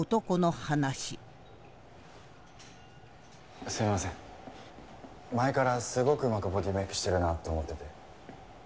前からすごくうまくボディメイクしてるなと思ってて。